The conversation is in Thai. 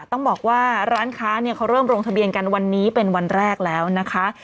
ต้องบอกว่าร้านค้าเนี่ยเขาเริ่มลงทะเบียนกันวันนี้เป็นวันแรกแล้วนะคะ